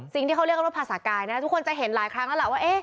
สิ่งที่เขาเรียกว่าภาษากายนะทุกคนจะเห็นหลายครั้งแล้วแหละว่า